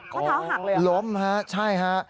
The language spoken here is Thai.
ข้อเท้าหักเลยเหรอล้มฮะใช่ฮะ